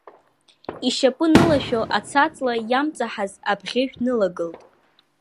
Ишьапы нылашәо Аца-ҵла иамҵаҳаз абӷьыжә днылагылт.